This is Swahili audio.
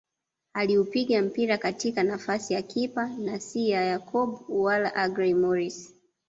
Aliupiga mpira katika nafasi ya kipa na si ya Yakub wala Agrey Moris